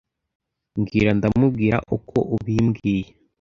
mbwira ndamubwira uko ubimbwiye